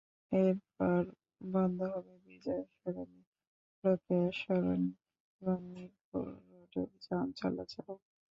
এরপর বন্ধ হবে বিজয় সরণি, রোকেয়া সরণি এবং মিরপুর রোডের যান চলাচলও।